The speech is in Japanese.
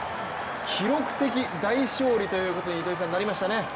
記録的大勝利ということになりましたね。